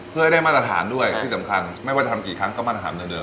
เพื่อให้ได้มาทฐานด้วยที่สำคัญ